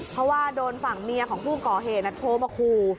เพราะว่าโดนฝั่งเมียของผู้ก่อเหตุโทรมาขู่